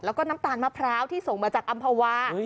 แล้วก็น้ำตาลมะพร้าวที่ส่งมาจากอำภาวา